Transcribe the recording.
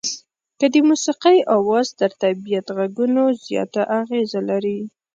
که د موسيقۍ اواز تر طبيعت غږونو زیاته اغېزه لري.